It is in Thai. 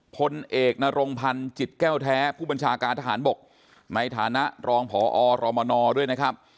พลเอกนรงพันธ์จิตแก้วแท้ผู้บัญชาการทหารบกในฐานะรองพอรมนด้วยนะครับ